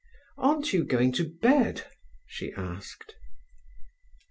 "Aren't you going to bed?" she asked.